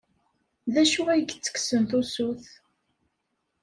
D acu ay yettekksen tusut?